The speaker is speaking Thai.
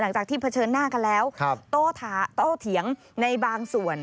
หลังจากที่เผชิญหน้ากันแล้วโตเถียงในบางส่วน